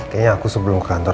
kayaknya aku sebelum ke kantor